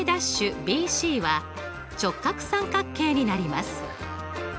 ’ＢＣは直角三角形になります。